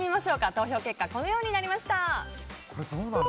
投票結果はこのようになりました。